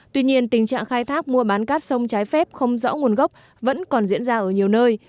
tuy nhiên tình trạng khai thác mua bán cát sông trái phép không rõ nguồn gốc vẫn còn diễn ra ở nhiều nơi